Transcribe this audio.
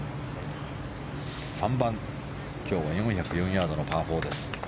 ３番、今日は４０４ヤードのパー４です。